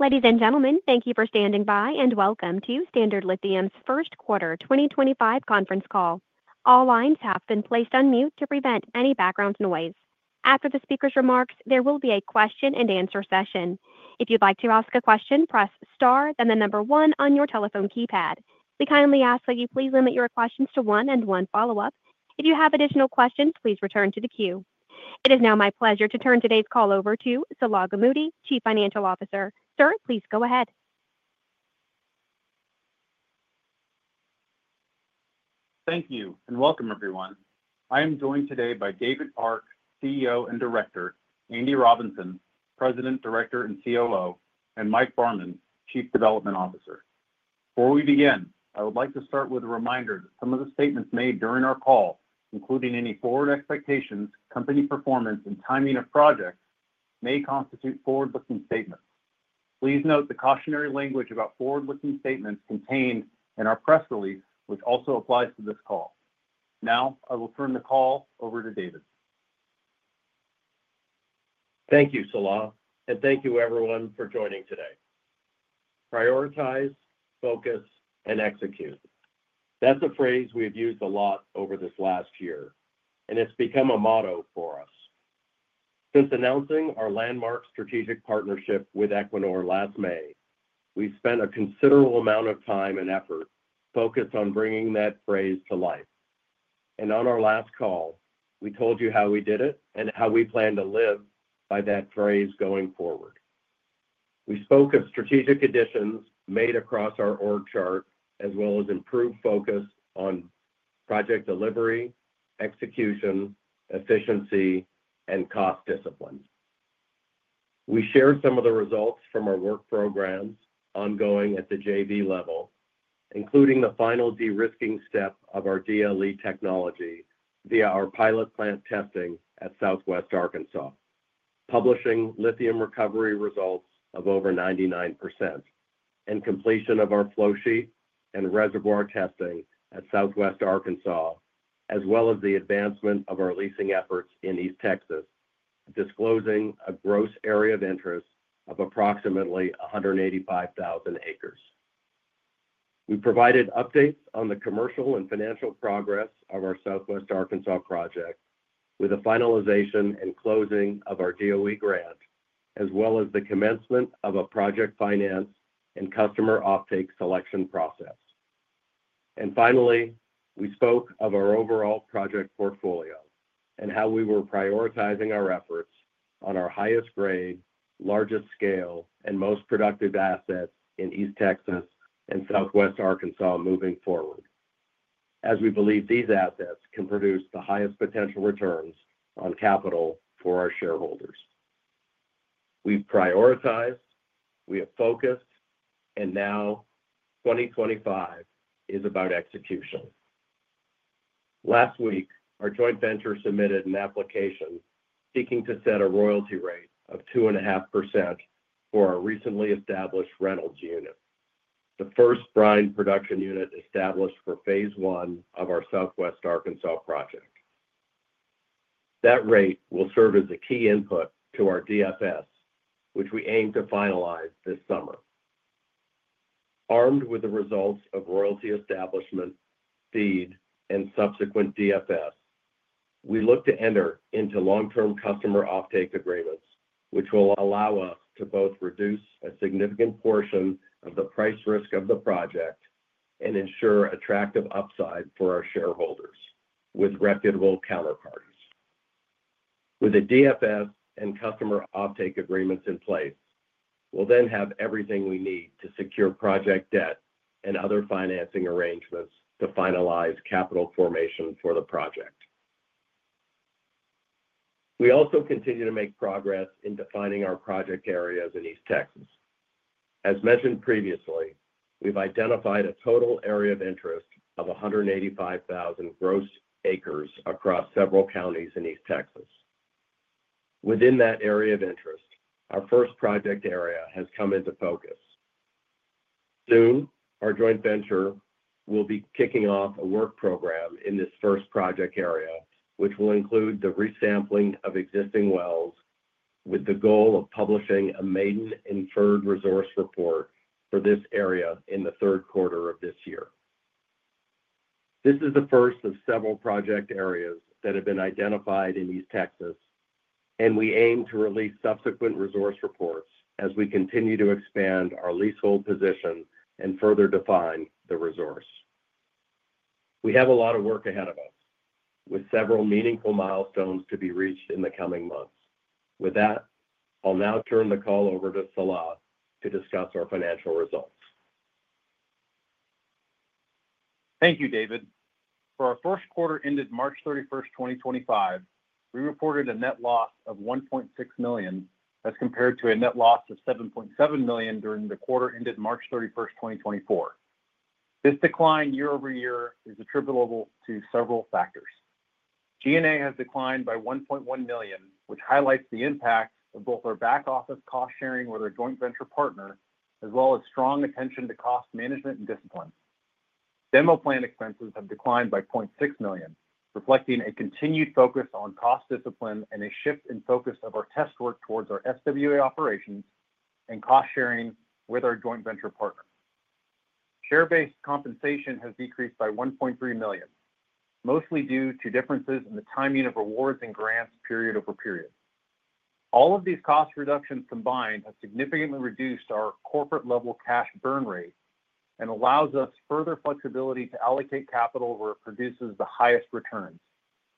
Ladies and gentlemen, thank you for standing by and welcome to Standard Lithium's first quarter 2025 conference call. All lines have been placed on mute to prevent any background noise. After the speaker's remarks, there will be a question-and-answer session. If you'd like to ask a question, press star, then the number one on your telephone keypad. We kindly ask that you please limit your questions to one and one follow-up. If you have additional questions, please return to the queue. It is now my pleasure to turn today's call over to Salah Gamoudi, Chief Financial Officer. Sir, please go ahead. Thank you and welcome, everyone. I am joined today by David Park, CEO and Director; Andy Robinson, President, Director, and COO; and Mike Barman, Chief Development Officer. Before we begin, I would like to start with a reminder that some of the statements made during our call, including any forward expectations, company performance, and timing of projects, may constitute forward-looking statements. Please note the cautionary language about forward-looking statements contained in our press release, which also applies to this call. Now, I will turn the call over to David. Thank you, Salah, and thank you, everyone, for joining today. Prioritize, focus, and execute. That is a phrase we have used a lot over this last year, and it has become a motto for us. Since announcing our landmark strategic partnership with Equinor last May, we have spent a considerable amount of time and effort focused on bringing that phrase to life. On our last call, we told you how we did it and how we plan to live by that phrase going forward. We spoke of strategic additions made across our org chart, as well as improved focus on project delivery, execution, efficiency, and cost discipline. We shared some of the results from our work programs ongoing at the JV level, including the final de-risking step of our DLE technology via our pilot plant testing at Southwest Arkansas, publishing lithium recovery results of over 99%, and completion of our flow sheet and reservoir testing at Southwest Arkansas, as well as the advancement of our leasing efforts in East Texas, disclosing a gross area of interest of approximately 185,000 acres. We provided updates on the commercial and financial progress of our Southwest Arkansas project, with the finalization and closing of our DOE grant, as well as the commencement of a project finance and customer optic selection process. Finally, we spoke of our overall project portfolio and how we were prioritizing our efforts on our highest grade, largest scale, and most productive assets in East Texas and Southwest Arkansas moving forward, as we believe these assets can produce the highest potential returns on capital for our shareholders. We've prioritized, we have focused, and now 2025 is about execution. Last week, our joint venture submitted an application seeking to set a royalty rate of 2.5% for our recently established Reynolds Unit, the first brine production unit established for phase one of our Southwest Arkansas project. That rate will serve as a key input to our DFS, which we aim to finalize this summer. Armed with the results of royalty establishment, feed, and subsequent DFS, we look to enter into long-term customer offtake agreements, which will allow us to both reduce a significant portion of the price risk of the project and ensure attractive upside for our shareholders with reputable counterparties. With the DFS and customer offtake agreements in place, we'll then have everything we need to secure project debt and other financing arrangements to finalize capital formation for the project. We also continue to make progress in defining our project areas in East Texas. As mentioned previously, we've identified a total area of interest of 185,000 gross acres across several counties in East Texas. Within that area of interest, our first project area has come into focus. Soon, our joint venture will be kicking off a work program in this first project area, which will include the resampling of existing wells with the goal of publishing a maiden inferred resource report for this area in the third quarter of this year. This is the first of several project areas that have been identified in East Texas, and we aim to release subsequent resource reports as we continue to expand our leasehold position and further define the resource. We have a lot of work ahead of us, with several meaningful milestones to be reached in the coming months. With that, I'll now turn the call over to Salah to discuss our financial results. Thank you, David. For our first quarter ended March 31, 2025, we reported a net loss of $1.6 million as compared to a net loss of $7.7 million during the quarter ended March 31, 2024. This decline year over year is attributable to several factors. G&A has declined by $1.1 million, which highlights the impact of both our back-office cost-sharing with our joint venture partner, as well as strong attention to cost management and discipline. Demo plant expenses have declined by $0.6 million, reflecting a continued focus on cost discipline and a shift in focus of our test work towards our Southwest Arkansas operations and cost-sharing with our joint venture partner. Share-based compensation has decreased by $1.3 million, mostly due to differences in the timing of rewards and grants period over period. All of these cost reductions combined have significantly reduced our corporate-level cash burn rate and allow us further flexibility to allocate capital where it produces the highest returns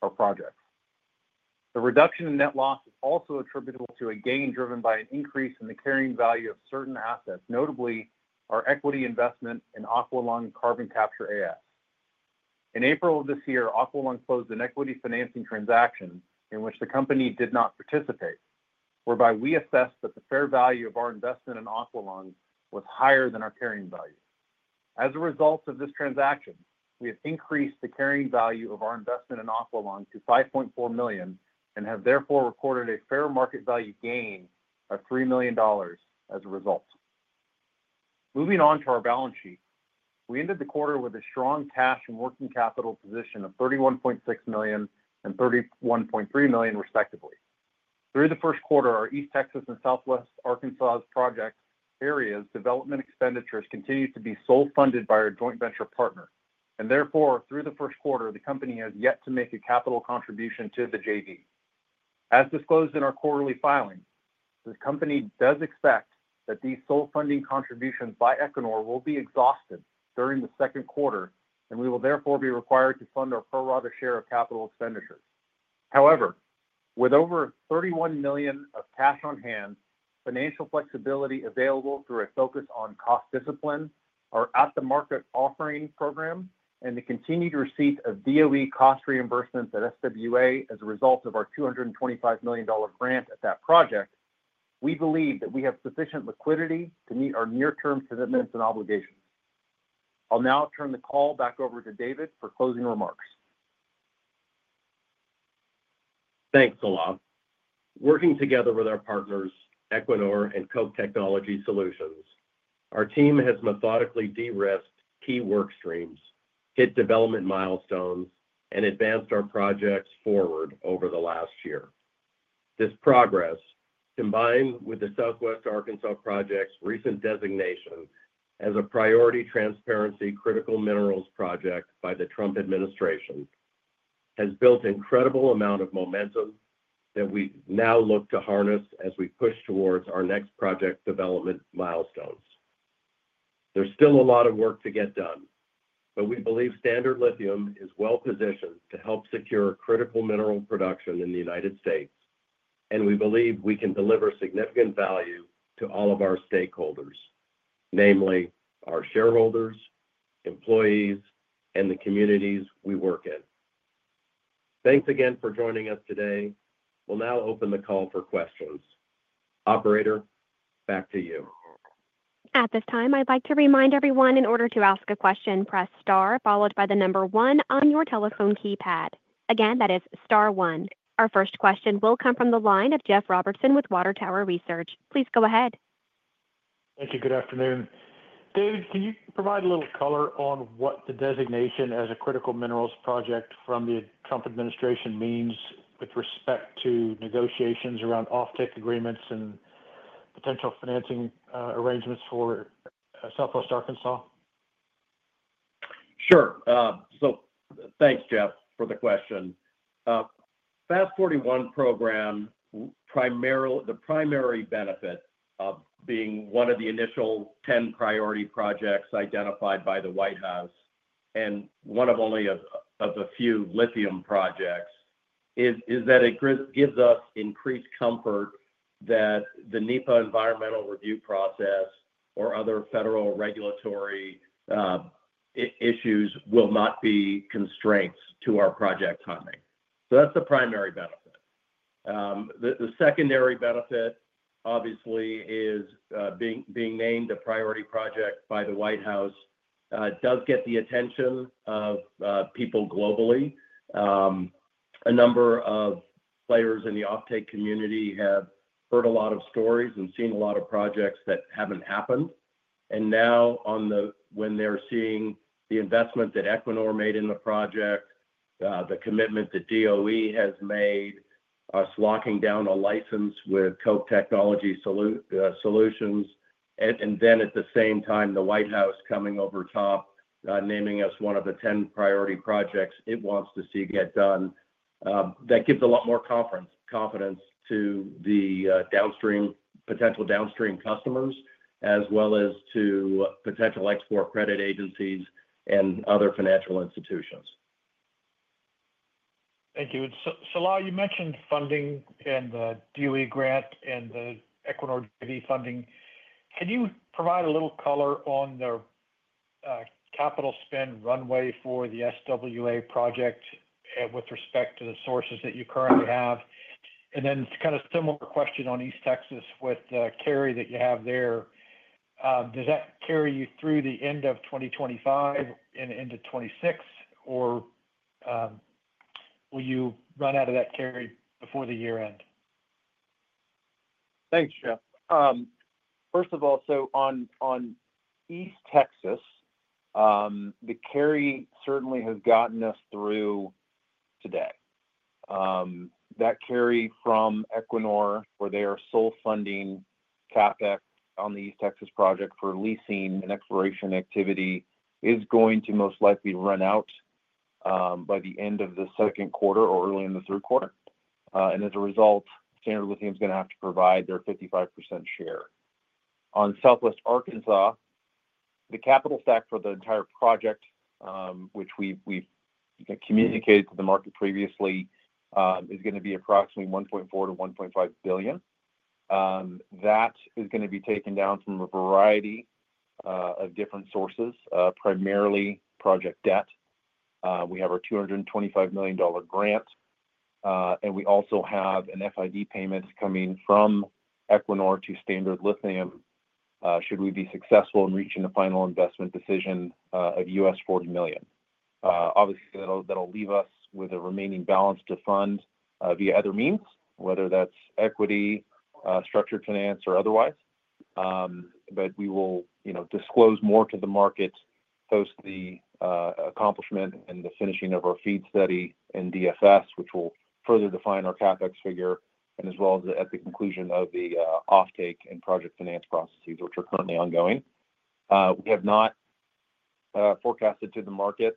for projects. The reduction in net loss is also attributable to a gain driven by an increase in the carrying value of certain assets, notably our equity investment in Aqualung Carbon Capture AS. In April of this year, Aqualung closed an equity financing transaction in which the company did not participate, whereby we assessed that the fair value of our investment in Aqualung was higher than our carrying value. As a result of this transaction, we have increased the carrying value of our investment in Aqualung to $5.4 million and have therefore recorded a fair market value gain of $3 million as a result. Moving on to our balance sheet, we ended the quarter with a strong cash and working capital position of $31.6 million and $31.3 million, respectively. Through the first quarter, our East Texas and Southwest Arkansas project areas' development expenditures continued to be sole-funded by our joint venture partner, and therefore, through the first quarter, the company has yet to make a capital contribution to the JV. As disclosed in our quarterly filing, the company does expect that these sole-funding contributions by Equinor will be exhausted during the second quarter, and we will therefore be required to fund our pro-rata share of capital expenditures. However, with over $31 million of cash on hand, financial flexibility available through a focus on cost discipline, our at-the-market offering program, and the continued receipt of DOE cost reimbursements at SWA as a result of our $225 million grant at that project, we believe that we have sufficient liquidity to meet our near-term commitments and obligations. I'll now turn the call back over to David for closing remarks. Thanks, Salah. Working together with our partners, Equinor and Koch Technology Solutions, our team has methodically de-risked key work streams, hit development milestones, and advanced our projects forward over the last year. This progress, combined with the Southwest Arkansas project's recent designation as a priority transparency critical minerals project by the Trump administration, has built an incredible amount of momentum that we now look to harness as we push towards our next project development milestones. There's still a lot of work to get done, but we believe Standard Lithium is well-positioned to help secure critical mineral production in the United States, and we believe we can deliver significant value to all of our stakeholders, namely our shareholders, employees, and the communities we work in. Thanks again for joining us today. We'll now open the call for questions. Operator, back to you. At this time, I'd like to remind everyone, in order to ask a question, press star, followed by the number one on your telephone keypad. Again, that is star one. Our first question will come from the line of Jeff Robertson with Water Tower Research. Please go ahead. Thank you. Good afternoon. David, can you provide a little color on what the designation as a critical minerals project from the Trump administration means with respect to negotiations around optic agreements and potential financing arrangements for Southwest Arkansas? Sure. Thanks, Jeff, for the question. FAST-41 program, the primary benefit of being one of the initial 10 priority projects identified by the White House and one of only a few lithium projects is that it gives us increased comfort that the NEPA environmental review process or other federal regulatory issues will not be constraints to our project timing. That's the primary benefit. The secondary benefit, obviously, is being named a priority project by the White House does get the attention of people globally. A number of players in the optic community have heard a lot of stories and seen a lot of projects that haven't happened. Now, when they're seeing the investment that Equinor made in the project, the commitment that DOE has made, us locking down a license with Koch Technology Solutions, and then at the same time, the White House coming over top, naming us one of the 10 priority projects it wants to see get done, that gives a lot more confidence to the potential downstream customers, as well as to potential export credit agencies and other financial institutions. Thank you. Salah, you mentioned funding and the DOE grant and the Equinor JV funding. Can you provide a little color on the capital spend runway for the SWA project with respect to the sources that you currently have? And then kind of a similar question on East Texas with the carry that you have there. Does that carry you through the end of 2025 and into 2026, or will you run out of that carry before the year end? Thanks, Jeff. First of all, on East Texas, the carry certainly has gotten us through today. That carry from Equinor, where they are sole funding CapEx on the East Texas project for leasing and exploration activity, is going to most likely run out by the end of the second quarter or early in the third quarter. As a result, Standard Lithium is going to have to provide their 55% share. On Southwest Arkansas, the capital stack for the entire project, which we've communicated to the market previously, is going to be approximately $1.4 billion-$1.5 billion. That is going to be taken down from a variety of different sources, primarily project debt. We have our $225 million grant, and we also have an FID payment coming from Equinor to Standard Lithium should we be successful in reaching a final investment decision of $40 million. Obviously, that'll leave us with a remaining balance to fund via other means, whether that's equity, structured finance, or otherwise. We will disclose more to the market post the accomplishment and the finishing of our FEED study and DFS, which will further define our CapEx figure, as well as at the conclusion of the optic and project finance processes, which are currently ongoing. We have not forecasted to the market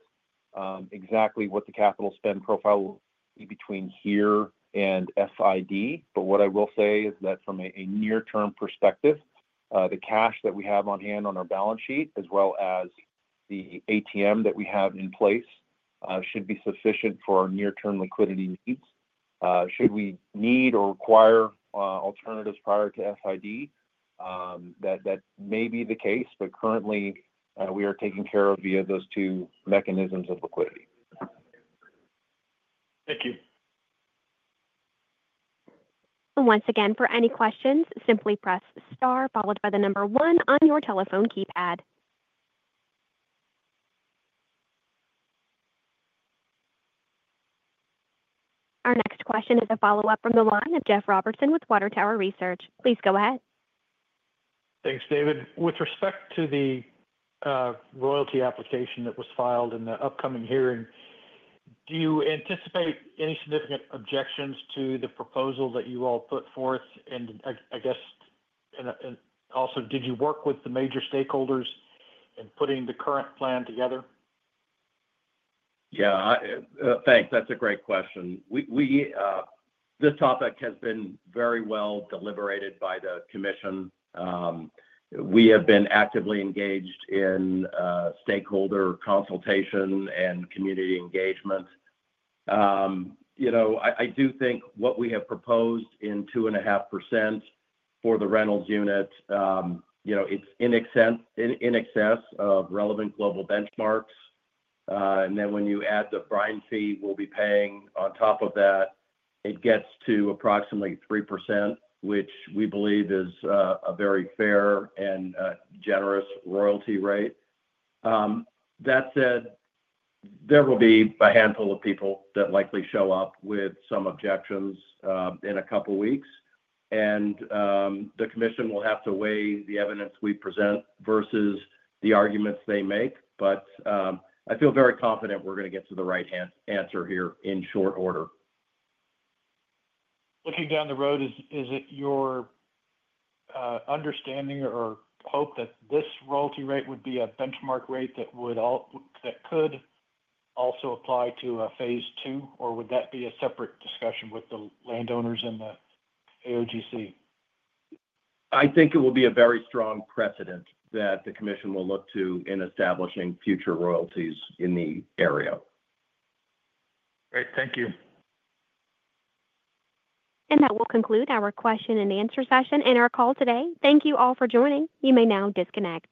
exactly what the capital spend profile will be between here and FID, but what I will say is that from a near-term perspective, the cash that we have on hand on our balance sheet, as well as the ATM that we have in place, should be sufficient for our near-term liquidity needs. Should we need or require alternatives prior to FID, that may be the case, but currently, we are taking care of via those two mechanisms of liquidity. Thank you. Once again, for any questions, simply press star, followed by the number one on your telephone keypad. Our next question is a follow-up from the line of Jeff Robertson with Water Tower Research. Please go ahead. Thanks, David. With respect to the royalty application that was filed in the upcoming hearing, do you anticipate any significant objections to the proposal that you all put forth? I guess, also, did you work with the major stakeholders in putting the current plan together? Yeah. Thanks. That's a great question. This topic has been very well deliberated by the commission. We have been actively engaged in stakeholder consultation and community engagement. I do think what we have proposed in 2.5% for the Reynolds unit, it's in excess of relevant global benchmarks. When you add the fine fee we'll be paying on top of that, it gets to approximately 3%, which we believe is a very fair and generous royalty rate. That said, there will be a handful of people that likely show up with some objections in a couple of weeks, and the commission will have to weigh the evidence we present versus the arguments they make. I feel very confident we're going to get to the right answer here in short order. Looking down the road, is it your understanding or hope that this royalty rate would be a benchmark rate that could also apply to a phase two, or would that be a separate discussion with the landowners and the AOGC? I think it will be a very strong precedent that the commission will look to in establishing future royalties in the area. Great. Thank you. That will conclude our question and answer session and our call today. Thank you all for joining. You may now disconnect.